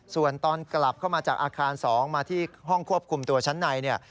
ส่วนตอนกลับเข้ามาจากอาคาร๒มาที่ห้องควบคุมตัวชั้นในเนี่ย